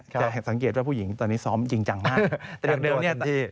จะสังเกตว่าผู้หญิงตอนนี้ซ้อมจริงจังมาก